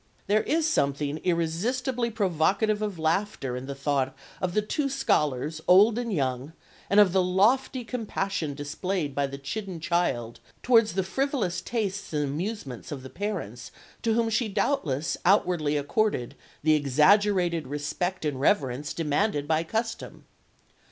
There is something irresistibly provocative of laughter in the thought of the two scholars, old and young, and of the lofty compassion displayed by the chidden child towards the frivolous tastes and amusements of the parents to whom she doubtless outwardly accorded the exaggerated respect and reverence demanded by custom.